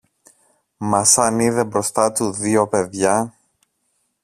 Μα σαν είδε μπροστά του δυο παιδιά